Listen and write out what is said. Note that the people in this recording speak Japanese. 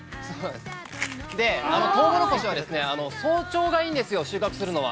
トウモロコシは早朝がいいんですよ、収穫するのは。